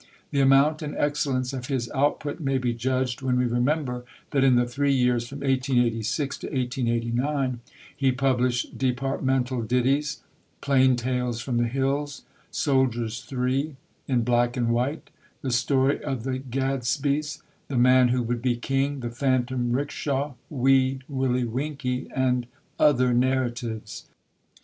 The amount and excellence of his output may be judged when we remember that in the three years from 1886 to 1889 he published Departmental Ditties, Plain Tales from the Hills, Soldiers Three, In Black and White, The Story of the Gadsbys, The Man Who Would Be King, The Phantom 'Rickshaw, Wee Willie Winkie, and other narratives.